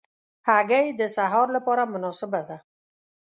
هګۍ د سهار له پاره مناسبه ده.